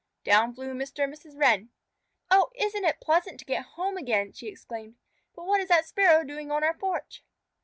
Down flew Mr. and Mrs. Wren. "Oh, isn't it pleasant to get home again?" she exclaimed. "But what is that Sparrow doing on our porch?"